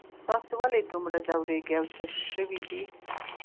تاسو ولې دومره ځوریږئ او څه شوي دي